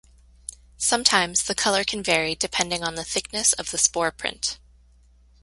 Sometimes, the color can vary depending on the thickness of the spore print.